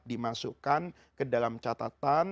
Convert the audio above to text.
dimasukkan ke dalam catatan